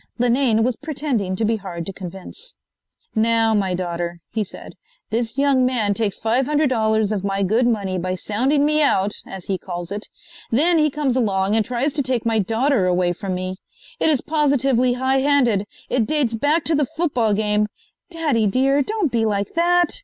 Linane was pretending to be hard to convince. "Now, my daughter," he said, "this young man takes $500 of my good money by sounding me out, as he calls it. Then he comes along and tries to take my daughter away from me. It is positively high handed. It dates back to the football game " "Daddy, dear, don't be like that!"